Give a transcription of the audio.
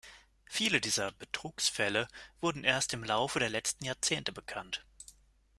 Viele dieser „Betrugsfälle“ wurden erst im Laufe der letzten Jahrzehnte bekannt.